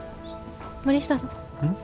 森下さん？